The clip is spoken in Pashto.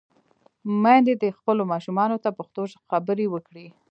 میندې دې خپلو ماشومانو ته پښتو خبرې وکړي.